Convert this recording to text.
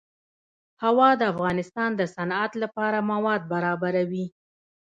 هوا د افغانستان د صنعت لپاره مواد برابروي.